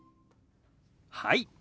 はい。